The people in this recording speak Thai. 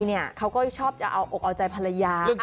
เขาก็ชอบจะเอาอกเอาใจภรรยา